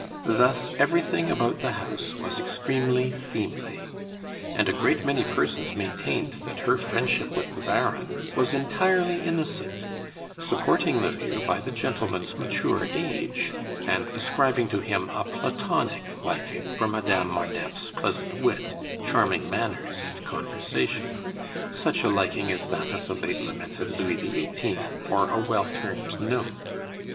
Thus everything about the house was extremely seemly. And a great many persons maintained that her friendship with the Baron was entirely innocent, supporting the view by the gentleman's mature age, and ascribing to him a Platonic liking for Madame Marneffe's pleasant wit, charming manners, and conversation such a liking as that of the late lamented Louis XVIII. for a well turned note.